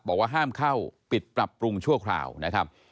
บอกว่าห้ามเข้าปิดปรับปรุงชั่วคราวนะครับ